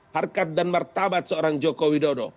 harkat dan martabat seorang joko widodo